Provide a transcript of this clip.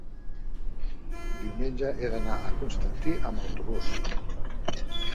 diumenge he d'anar a Constantí amb autobús.